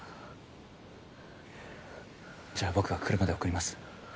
じゃあ僕が車で送ります